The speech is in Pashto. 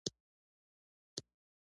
غلام قادر له منځه وړل عملي کړئ.